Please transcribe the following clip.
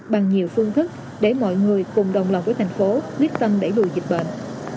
bằng nhiều phương thức để mọi người cùng đồng lòng với thành phố biết tâm đẩy đùa dịch bệnh